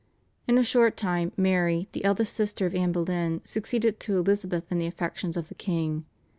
In a short time Mary, the eldest sister of Anne Boleyn, succeeded to Elizabeth in the affections of the king.